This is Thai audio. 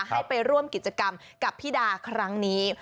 ให้ไปร่วมกิจกรรมกับพี่ดาครั้งนี้